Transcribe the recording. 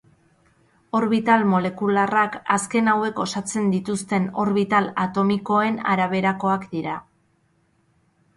Orbital molekularrak azken hauek osatzen dituzten orbital atomikoen araberakoak dira.